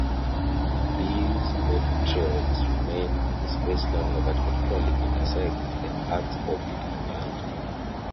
These meteoroids remain in space longer but eventually intersect the Earth's orbit and land.